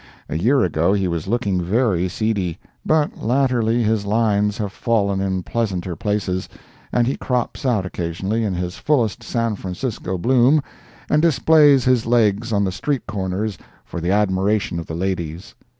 A year ago he was looking very seedy, but latterly his lines have fallen in pleasanter places, and he crops out occasionally in his fullest San Francisco bloom, and displays his legs on the street corners for the admiration of the ladies.